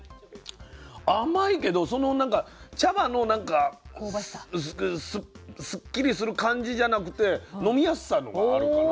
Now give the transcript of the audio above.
甘いけどその茶葉のすっきりする感じじゃなくて飲みやすさのほうがあるかな。